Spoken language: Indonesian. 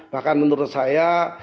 bahkan menurut saya